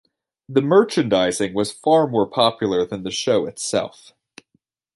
The merchandising was far more popular than the show itself.